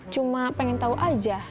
cuma pengen tau aja